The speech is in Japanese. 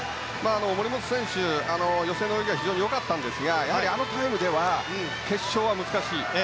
森本選手、予選の泳ぎは非常に良かったんですがやはりあのタイムでは決勝は難しい。